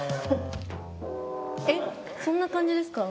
えっそんな感じですか？